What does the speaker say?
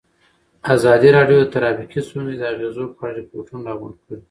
ازادي راډیو د ټرافیکي ستونزې د اغېزو په اړه ریپوټونه راغونډ کړي.